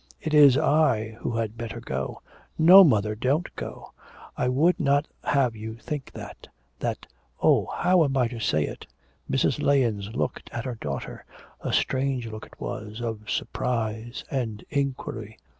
It is I who had better go.' 'No, mother, don't go. I would not have you think that that oh, how am I to say it?' Mrs. Lahens looked at her daughter a strange look it was, of surprise and inquiry.